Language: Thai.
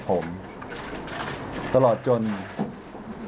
พร้อมแล้วเลยค่ะ